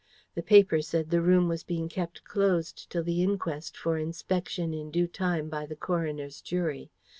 The papers said the room was being kept closed till the inquest, for inspection in due time by the coroner's jury.